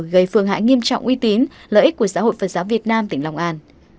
gây phương hại nghiêm trọng uy tín lợi ích của giáo hội phật giáo việt nam tỉnh long an